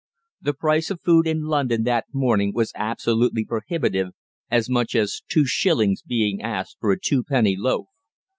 The price of food in London that morning was absolutely prohibitive, as much as two shillings being asked for a twopenny loaf.